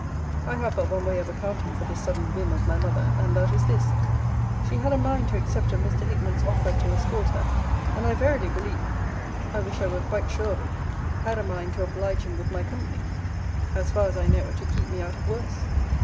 I have but one way of accounting for this sudden whim of my mother; and that is this She had a mind to accept of Mr. Hickman's offer to escort her: and I verily believe [I wish I were quite sure of it] had a mind to oblige him with my company as far as I know, to keep me out of worse.